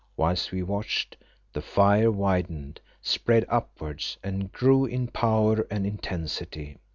Whilst we watched, the fire widened, spread upwards and grew in power and intensity.